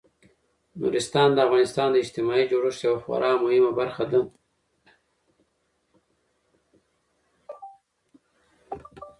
نورستان د افغانستان د اجتماعي جوړښت یوه خورا مهمه برخه ده.